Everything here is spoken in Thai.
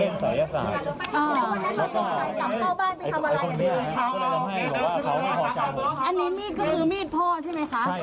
ใช่ครับผม